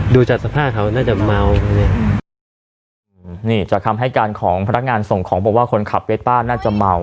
ดูจากสภาพเขาน่าจะเมานี่จากคำให้การของพนักงานส่งของบอกว่าคนขับเวสป้าน่าจะเมา